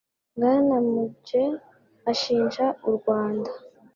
Bwana Mudge ashinja u Rwanda